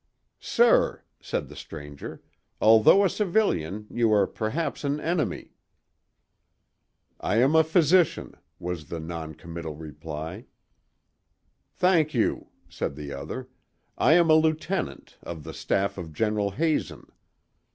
"Sir," said the stranger, "although a civilian, you are perhaps an enemy." "I am a physician," was the non committal reply. "Thank you," said the other. "I am a lieutenant, of the staff of General Hazen."